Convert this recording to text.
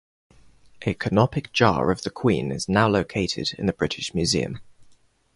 A canopic jar of the Queen is now located in the British Museum.